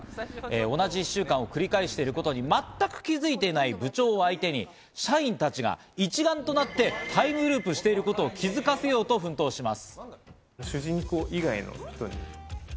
同じ１週間を繰り返していることに全く気づいてない部長を相手に社員たちが一丸となってタイムループしていることを気づかせようと奮闘します。